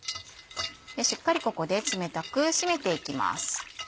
しっかりここで冷たく締めていきます。